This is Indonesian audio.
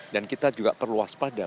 dan kita juga perlu waspada